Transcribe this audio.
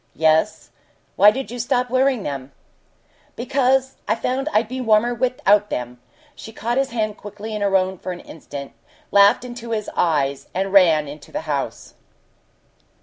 "Yes. Why did you stop wearing them?" "Because I found I'd be warmer without them!" She caught his hand quickly in her own for an instant, laughed into his eyes, and ran into the house.